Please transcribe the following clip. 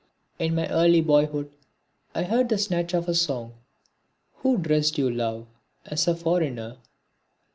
In my early boyhood I heard a snatch of a song: Who dressed you, love, as a foreigner?